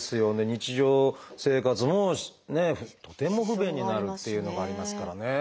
日常生活もねとても不便になるっていうのがありますからね。